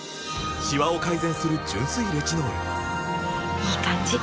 いい感じ！